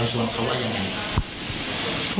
เราชวนเขาว่ายังไง